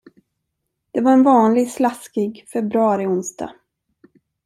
Det var en vanlig, slaskig, februari-onsdag.